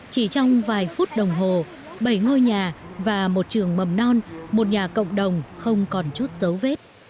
chỉ trong vài phút đồng hồ bảy ngôi nhà và một trường mầm non một nhà cộng đồng không còn chút dấu vết